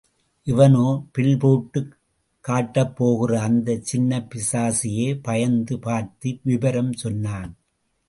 இவனோ, பில் போட்டு காட்டப்போகிற அந்த சின்ன பிசாசையே பயந்து பார்த்து, விவரம் சொன்னான்.